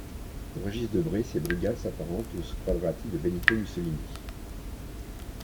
Pour Régis Debray ces brigades s'apparentent aux squadriti de Benito Mussolini.